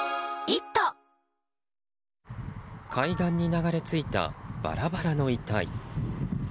海岸に流れ着いたバラバラの遺体。